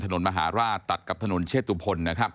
ถนนมหาราชตัดกับถนนเชศตุพล